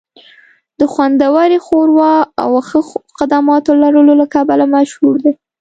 د خوندورې ښوروا او ښه خدماتو لرلو له کبله مشهور دی